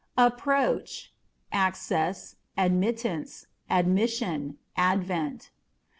Approach â€" access, admittance, admission, advent.